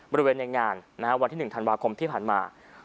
บริเวณในงานวันที่๑ธันวาคมที่ผ่านมา